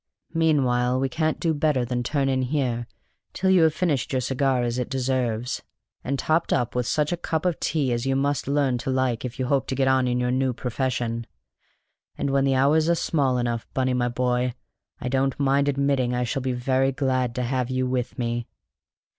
Meanwhile we can't do better than turn in here till you have finished your cigar as it deserves, and topped up with such a cup of tea as you must learn to like if you hope to get on in your new profession. And when the hours are small enough, Bunny, my boy, I don't mind admitting I shall be very glad to have you with me."